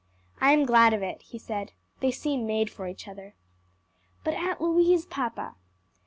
"I am glad of it," he said; "they seem made for each other." "But Aunt Louise, papa?"